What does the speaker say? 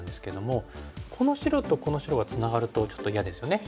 この白とこの白がツナがるとちょっと嫌ですよね。